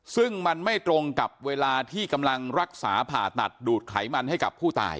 ซึ่งมันไม่ตรงกับเวลาที่กำลังรักษาผ่าตัดดูดไขมันให้กับผู้ตาย